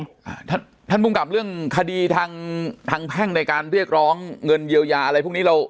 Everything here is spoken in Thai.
ท่านท่านภูมิกับเรื่องคดีทางทางแพ่งในการเรียกร้องเงินเยียวยาอะไรพวกนี้เรา